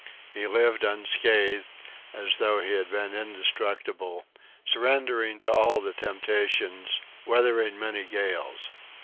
He lived unscathed, as though he had been indestructible, surrendering to all the temptations, weathering many gales.